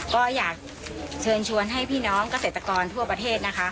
ก็อยากเชิญชวนให้พี่น้องเกษตรกรทั่วประเทศนะคะ